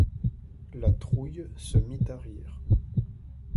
La Trouille se mit à rire.